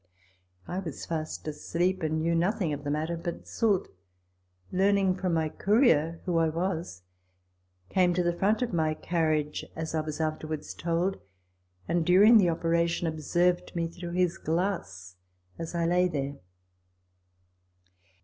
I was fast asleep, and knew nothing of the matter ; but Soult, learning from my courier who I was, came to the front of my carriage, as I was afterwards told, and during the operation observed me through his glass as I lay there.